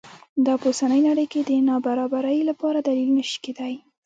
دا په اوسنۍ نړۍ کې د نابرابرۍ لپاره دلیل نه شي کېدای.